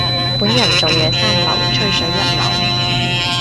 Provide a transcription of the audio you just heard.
本人做嘢三流，吹水一流。